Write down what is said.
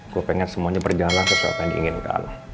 gue pengen semuanya berjalan sesuai apa yang diinginkan